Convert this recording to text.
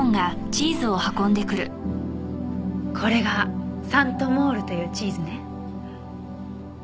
これがサントモールというチーズね。